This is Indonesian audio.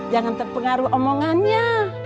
jangan terpengaruh omongannya